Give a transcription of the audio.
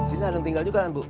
ini ada yang tinggal juga kan bu